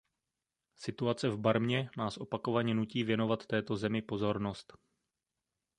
Situace v Barmě nás opakovaně nutí věnovat této zemi pozornost.